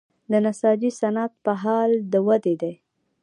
د نساجي صنعت په حال د ودې دی